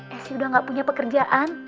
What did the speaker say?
esy udah gak punya pekerjaan